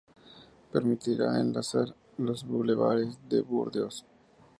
Permitirá enlazar los bulevares de Burdeos.